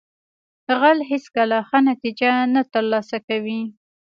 غل هیڅکله ښه نتیجه نه ترلاسه کوي